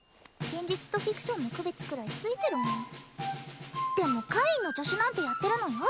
現実とフィクションの区別くらいついてるもんでも怪異の助手なんてやってるのよ？